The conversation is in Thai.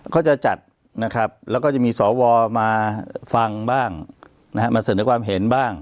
ก็จะจัดนะครับแล้วก็จะมีสวมาฟังบ้างนะฮะมาเสนอความเห็นบ้าง